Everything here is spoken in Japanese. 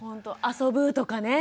遊ぶとかね。